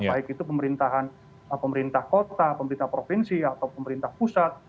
baik itu pemerintahan pemerintah kota pemerintah provinsi atau pemerintah pusat